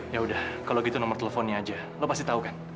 ya udah kalau gitu nomor teleponnya aja lo pasti tau kan